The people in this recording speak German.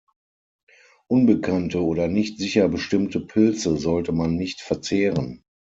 Unbekannte oder nicht sicher bestimmte Pilze sollte man nicht verzehren.